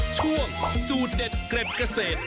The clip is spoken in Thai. ช่วงสูตรเด็ดเกร็ดเกษตร